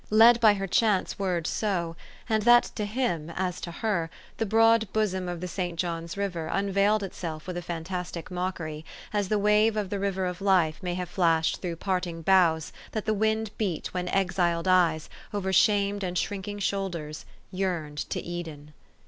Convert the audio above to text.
led by her chance word so, and that to him, as to her, the broad bosom of the St. John's River unveiled itself with a fantastic mockery, as the wave of the river of life may have flashed through parting boughs that the wind beat when exiled eyes, over shamed and shrinking shoulders, yearned to Eden.